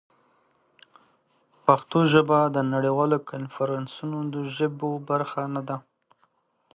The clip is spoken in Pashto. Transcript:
پښتو ژبه د نړیوالو کنفرانسونو د ژبو برخه نه ده.